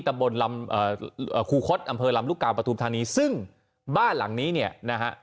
ตะบนลำอ่าครูคล็อตอำเภอลำลุกกาวประทูปธานีซึ่งบ้านหลังนี้เนี่ยนะฮะ